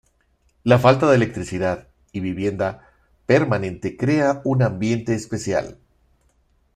La falta de electricidad y vivienda permanente crea un ambiente especial.